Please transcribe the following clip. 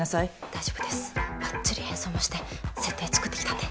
大丈夫ですばっちり変装もして設定作ってきたんで。